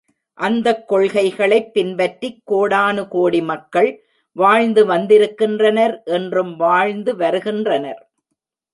அந்தக் கொள்கைகளைப் பின்பற்றிக், கோடானு கோடி மக்கள் வாழ்ந்து வந்திருக்கின்றனர் இன்றும் வாழ்ந்து வருகின்றனர்.